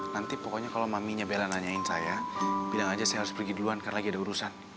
nanti pokoknya kalau maminya bella nanyain saya bilang aja saya harus pergi duluan karena lagi ada urusan